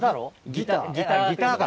ギターか。